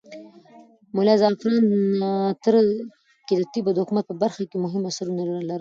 ملا زعفران تره کى د طب او حکمت په برخه کې مهم اثرونه لرل.